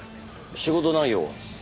仕事内容は？